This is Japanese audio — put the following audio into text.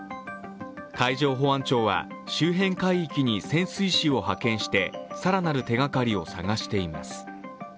海上保安庁は周辺海域に潜水士を派遣して更なる手がかりを探しています。